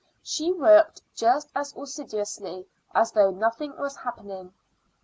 She worked just as assiduously as though nothing was happening.